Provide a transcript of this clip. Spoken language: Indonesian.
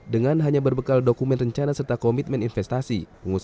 dengan hanya berbekal dokumen rencana serta komitmen investasi